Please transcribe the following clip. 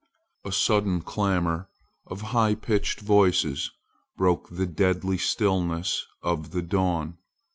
A sudden clamor of high pitched voices broke the deadly stillness of the dawn.